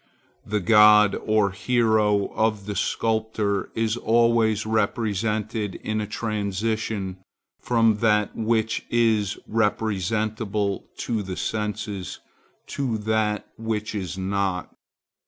The god or hero of the sculptor is always represented in a transition from that which is representable to the senses, to that which is not.